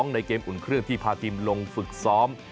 ในเกมอุ่นเครื่องที่พาทีมลงฝึกซ้อม